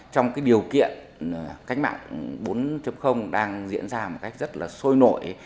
trong điều kiện cách mạng bốn đang diễn ra một cách rất sôi nội